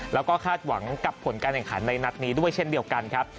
แล้วก็คาดหวังกับผลการแข่งขันในนัดนี้ด้วยเช่นเดียวกันครับ